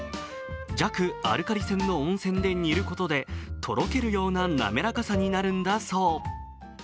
弱アルカリ泉の温泉で煮ることでとろけるような滑らかさになるんだそう。